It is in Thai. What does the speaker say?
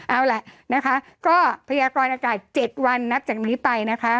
เอาล่ะนะคะก็พยากรอากาศ๗วันนับจากนี้ไปนะคะ